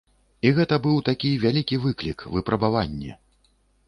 І гэта быў такі вялікі выклік, выпрабаванне.